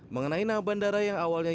mengenai nama bandara yang awalnya